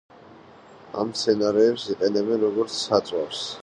აქ მცენარეებს იყენებენ, როგორც საწვავს.